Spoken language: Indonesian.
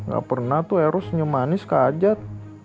gak pernah tuh eros senyum manis ke ajat